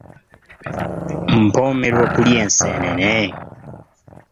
Mpoomerwa okulya enseenene.